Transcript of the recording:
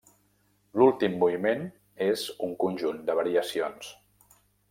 L'últim moviment és un conjunt de variacions.